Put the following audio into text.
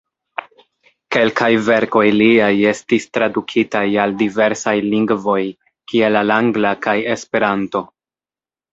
Kelkaj verkoj liaj estis tradukitaj al diversaj lingvoj, kiel al angla kaj Esperanto.